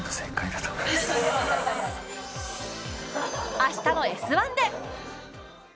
明日の「Ｓ☆１」で！